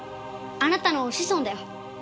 あなたの子孫だよ。